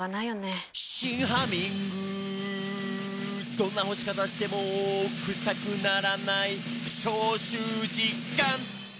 「どんな干し方してもクサくならない」「消臭実感！」